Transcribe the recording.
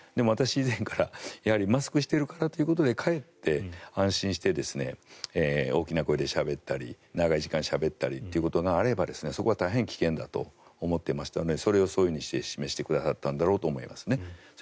ただ、私は以前からマスクをしているからといってかえって安心して大きな声でしゃべったり長い時間しゃべったりということがあればそこは大変危険だと思っていましたのでそこをそういうふうに示してくださったんだろうと思いますね。